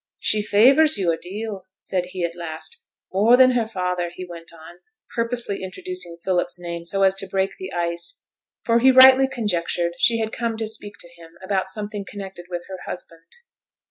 'She favours you a deal,' said he, at last. 'More than her father,' he went on, purposely introducing Philip's name, so as to break the ice; for he rightly conjectured she had come to speak to him about something connected with her husband.